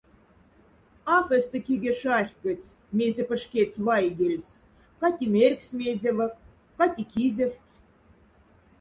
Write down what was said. Аф эстокиге шарьхкодсь, мезе пшкядсь вайгяльсь: кати мярьгсь мезевок, кати кизефтсь.